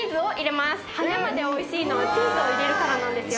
羽根までおいしいのはチーズを入れるからなんですよ。